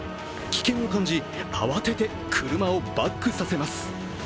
危険を感じ、慌てて車をバックさせます。